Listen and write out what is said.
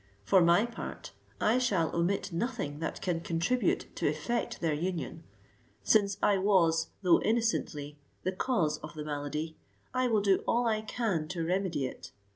For my part, I shall omit nothing that can contribute to effect their union: since I was, though innocently, the cause of the malady, I will do all I can to remedy it.